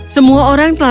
semua orang kembali